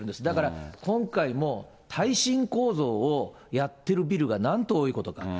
だから、今回も耐震構造をやってるビルがなんと多いことか。